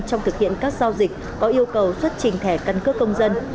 trong thực hiện các giao dịch có yêu cầu xuất trình thẻ căn cước công dân